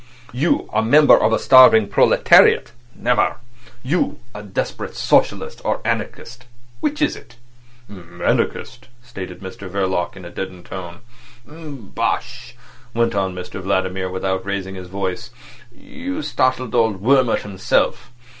You—a member of a starving proletariat—never! You—a desperate socialist or anarchist—which is it?" "Anarchist," stated Mr Verloc in a deadened tone. "Bosh!" went on Mr Vladimir, without raising his voice. "You startled old Wurmt himself.